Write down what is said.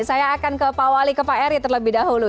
saya akan ke pak wali ke pak eri terlebih dahulu